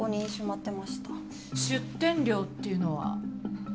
出店料っていうのは？